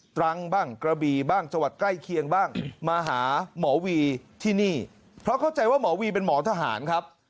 ตรังบ้างกระบีบ้างจังหวัดใกล้เคียงบ้างมาหาหมอวีที่นี่เพราะเข้าใจว่าหมอวีเป็นหมอทหารครับ